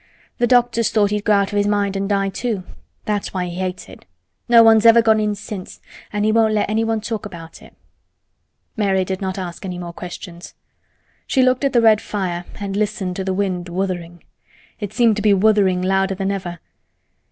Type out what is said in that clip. Th' doctors thought he'd go out o' his mind an' die, too. That's why he hates it. No one's never gone in since, an' he won't let anyone talk about it." Mary did not ask any more questions. She looked at the red fire and listened to the wind "wutherin'." It seemed to be "wutherin'" louder than ever.